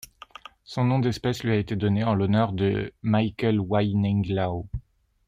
Son nom d'espèce lui a été donné en l'honneur de Michael Wai-Neng Lau.